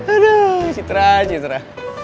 aduh citra citra